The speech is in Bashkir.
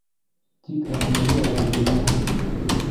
Тик Әхмәҙи ағай белмәһен инде.